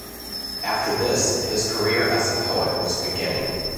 After this, his career as a poet was beginning.